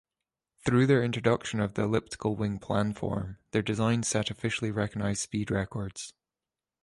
Through their introduction of the elliptical wing-planform, their designs set officially recognized speed records.